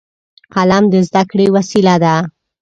قلم د زده کړې وسیله ده